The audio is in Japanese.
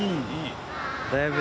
だいぶ。